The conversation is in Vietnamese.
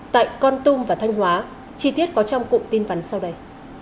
tại con tum và thanh hóa chi tiết có trong cụm tin vắn sau đây